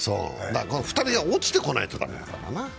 ２人が落ちてこないとだめだよね。